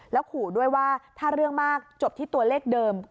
แล้วขู่ด้วยว่าถ้าเรื่องมากจบที่ตัวเลขเดิม